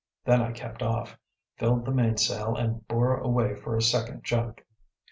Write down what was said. Then I kept off, filled the mainsail, and bore away for a second junk.